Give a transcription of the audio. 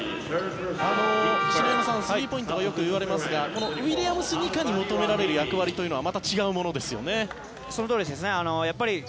篠山さん、スリーポイントがよくいわれますがこのウィリアムス・ニカに求められる役割というのはそのとおりですね。